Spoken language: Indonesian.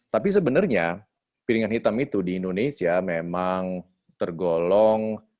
tapi sebenarnya piringan hitam itu di indonesia memang tergolong